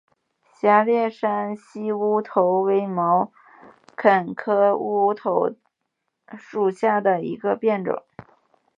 狭裂山西乌头为毛茛科乌头属下的一个变种。